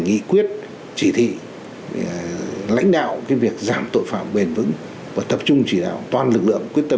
nghị quyết chỉ thị lãnh đạo việc giảm tội phạm bền vững và tập trung chỉ đạo toàn lực lượng quyết tâm